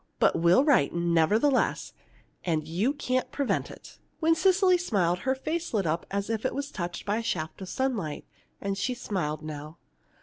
But we'll write, nevertheless, and you can't prevent it!" When Cecily smiled, her face lit up as if touched by a shaft of sunlight. And she smiled now.